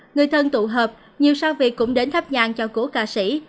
người thân tụ hợp nhiều sang việc cũng đến thắp nhang cho cổ ca sĩ